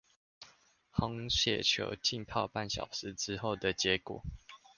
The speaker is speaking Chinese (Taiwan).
紅血球浸泡半小時之後的結果